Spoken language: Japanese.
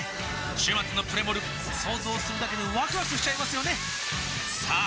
週末のプレモル想像するだけでワクワクしちゃいますよねさあ